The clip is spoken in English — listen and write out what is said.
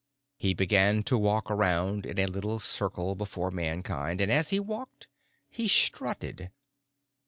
He began to walk around in a little circle before Mankind, and, as he walked, he strutted.